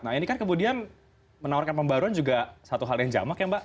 nah ini kan kemudian menawarkan pembaruan juga satu hal yang jamak ya mbak